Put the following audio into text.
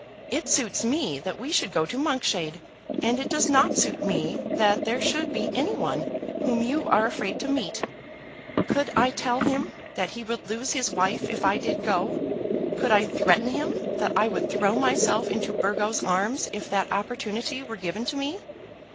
It suits me that we should go to Monkshade, and it does not suit me that there should be any one whom you are afraid to meet.' Could I tell him that he would lose his wife if I did go? Could I threaten him that I would throw myself into Burgo's arms if that opportunity were given to me?